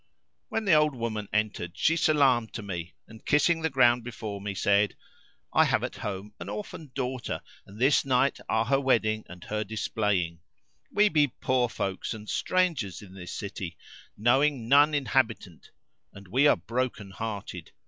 [FN#330] When the old woman entered she salamed to me and kissing the ground before me, said, "I have at home an orphan daughter and this night are her wedding and her displaying.[FN#331] We be poor folks and strangers in this city knowing none inhabitant and we are broken hearted.